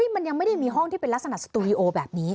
มันยังไม่ได้มีห้องที่เป็นลักษณะสตูดิโอแบบนี้